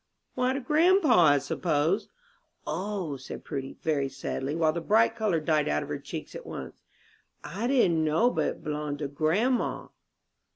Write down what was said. "Why, to grandpa, I suppose." "O," said Prudy, very sadly, while the bright color died out of her cheeks at once, "I didn't know but it b'longed to grandma."